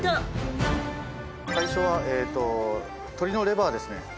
最初は鶏のレバーですね。